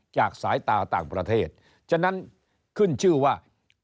จากสายตาต่างประเทศฉะนั้นขึ้นชื่อว่า